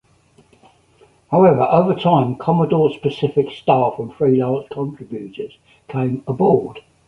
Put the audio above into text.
However, over time, Commodore-specific staff and freelance contributors came aboard.